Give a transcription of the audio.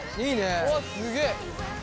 うわっすげえ。